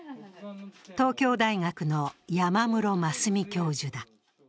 東京大学の山室真澄教授だ。